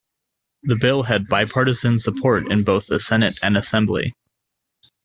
The bill had bipartisan support in both the Senate and Assembly.